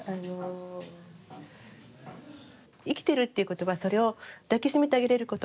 生きてるっていうことはそれを抱き締めてあげれること。